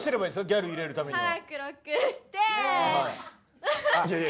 ギャル入れるためには。